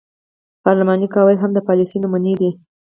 پارلماني قواعد هم د پالیسۍ نمونې دي.